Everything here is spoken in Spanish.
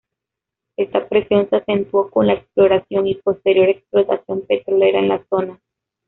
Ésta presión se acentuó con la exploración y posterior explotación petrolera en la zona.